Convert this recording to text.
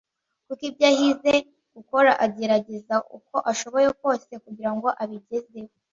kuko ibyo ahize gukora agerageza uko ashoboye kose kugira ngo abigereho.